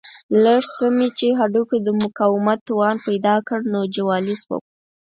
لږ څه مې چې هډوکو د مقاومت توان پیدا کړ نو جوالي شوم.